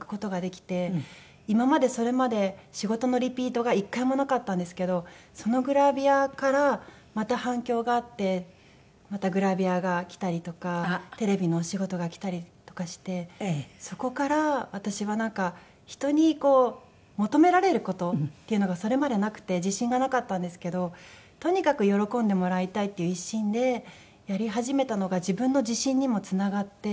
今までそれまで仕事のリピートが１回もなかったんですけどそのグラビアからまた反響があってまたグラビアがきたりとかテレビのお仕事がきたりとかしてそこから私はなんか人に求められる事っていうのがそれまでなくて自信がなかったんですけどとにかく喜んでもらいたいっていう一心でやり始めたのが自分の自信にもつながって。